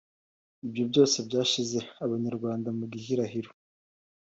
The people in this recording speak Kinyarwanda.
ibyo byose byashyize abanyarwanda mu gihirahiro.